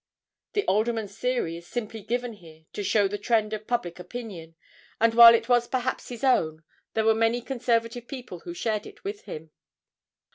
The Alderman's theory is simply given here to show the trend of public opinion, and while it was perhaps his own, there were many conservative people who shared it with him.